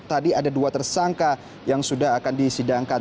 tadi ada dua tersangka yang sudah akan disidangkan